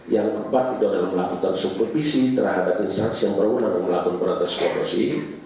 yang keempat itu adalah melakukan subkopisi terhadap insansi yang berundang melakukan peratus korupsi